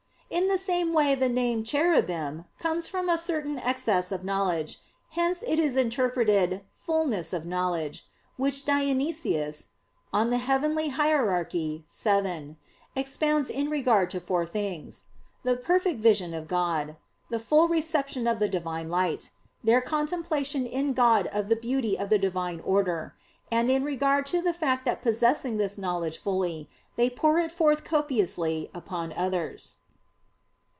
In the same way the name "Cherubim" comes from a certain excess of knowledge; hence it is interpreted "fulness of knowledge," which Dionysius (Coel. Hier. vii) expounds in regard to four things: the perfect vision of God; the full reception of the Divine Light; their contemplation in God of the beauty of the Divine order; and in regard to the fact that possessing this knowledge fully, they pour it forth copiously upon others.